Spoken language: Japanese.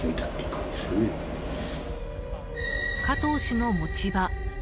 加藤氏の持ち場。